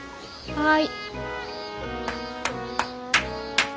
はい。